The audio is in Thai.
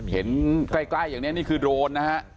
เห็นใกล้อย่างนี้นี่คือโดรนนะฮะ